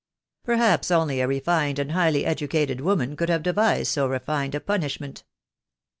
"Perhaps only a refined and highly educated woman could have devised so refined a punishment.